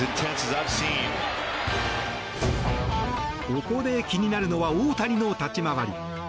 ここで気になるのは大谷の立ち回り。